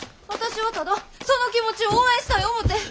私はただその気持ちを応援したい思て。